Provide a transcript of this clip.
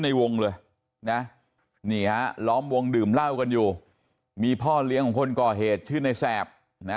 ในวงเลยเนี่ยล้อมวงดื่มเหล้าบุกมีพ่อเดียงคนก่อเฮตชื่น